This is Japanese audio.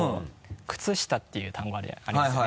靴下っていう単語ありますよね？